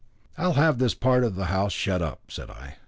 "I'll have this part of the house shut up," said I.